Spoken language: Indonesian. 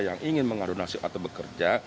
yang ingin mengadu nasib atau bekerja